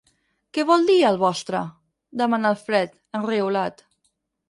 Què vol dir, el vostre? –demana el Fred, enriolat–.